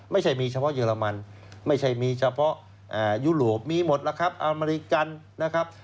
ไม่ใช่มีเฉพาะเยอรมันไม่ใช่มีเฉพาะยุโรปมีหมดแล้วครับอเมริกันนะครับ